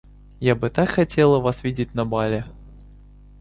Я бы так хотела вас видеть на бале.